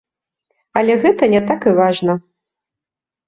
Але гэта не так і важна.